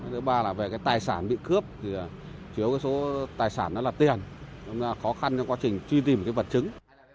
thứ ba là về tài sản bị cướp chủ yếu số tài sản là tiền khó khăn trong quá trình truy tìm vật chứng